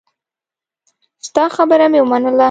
ستا خبره مې ومنله.